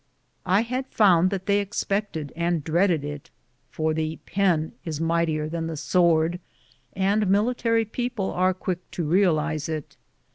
I had found that they expected and dreaded it, for " the pen is mightier than the sword," and military people are quick to realize it.